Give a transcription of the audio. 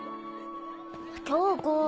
恭子。